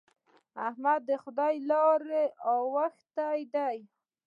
احمد د خدای له لارې اوښتی دی.